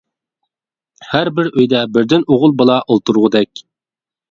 ھەر بىر ئۆيدە بىردىن ئوغۇل بالا ئولتۇرغۇدەك.